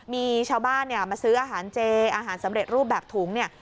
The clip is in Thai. มีชาวบ้านเนี่ยมาซื้ออาหารเจอาหารสำเร็จรูปแบบถุงเนี่ย